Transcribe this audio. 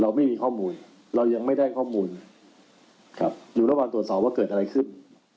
เราไม่มีข้อมูลเรายังไม่ได้ข้อมูลครับอยู่ระหว่างตรวจสอบว่าเกิดอะไรขึ้น